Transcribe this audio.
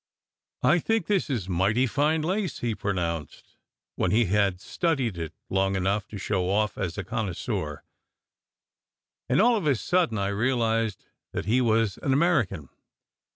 "I think this is mighty fine lace," he pronounced, when he had studied it long enough to show off as a connoisseur; and all of a sudden I realized that he was an American.